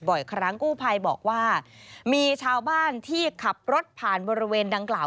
บ่อยครั้งกู้ภัยบอกว่ามีชาวบ้านที่ขับรถผ่านบริเวณดังกล่าว